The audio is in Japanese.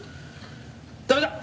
駄目だ！